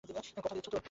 কথা দিচ্ছ তো?